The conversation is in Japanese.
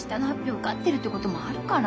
受かってるってこともあるから。